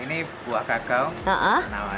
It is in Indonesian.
ini buah kakao